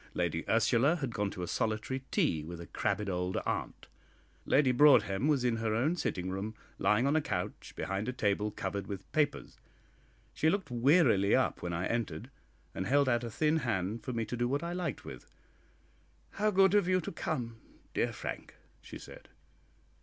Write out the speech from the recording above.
Lady Ursula had gone to a solitary tea with a crabbed old aunt. Lady Broadhem was in her own sitting room, lying on a couch behind a table covered with papers. She looked wearily up when I entered, and held out a thin hand for me to do what I liked with. "How good of you to come, dear Frank!" she said.